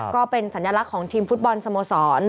ก็เป็นสัญลักษณ์ของทีมฟุตบอลสโมสร